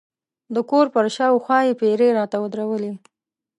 د کور پر شاوخوا یې پیرې راته ودرولې.